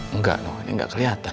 enggak noh ini gak keliatan